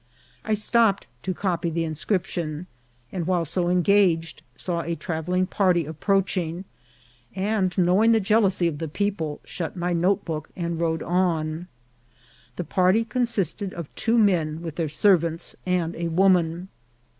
I stop ped to copy the inscription, and while so engaged saw a travelling party approaching, and knowing the jeal ousy of the people, shut my notebook and rode on. The party consisted of two men, with their servants, and a woman.